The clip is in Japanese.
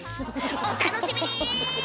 お楽しみに！